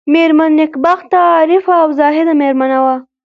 مېرمن نېکبخته عارفه او زاهده مېرمن وه.